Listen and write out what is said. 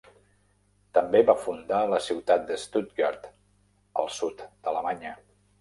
També va fundar la ciutat de Stuttgart al sud d'Alemanya.